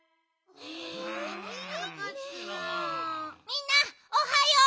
みんなおはよう。